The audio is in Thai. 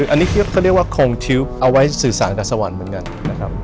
อันนี้คือเขาเรียกว่าคงทริปเอาไว้สื่อสารกับสวรรค์เหมือนกันนะครับ